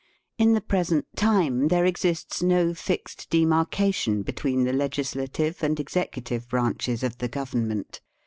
In the present time there exists no fixed demarcation between the legislative and executive branches of the Government.